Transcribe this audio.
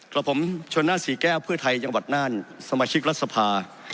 กับผมชนหน้าศรีแก้วเพื่อไทยจังหวัดน่านสมาชิกรัฐสภา